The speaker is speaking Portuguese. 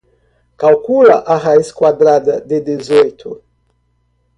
Calcula a raiz quadrada de dezoito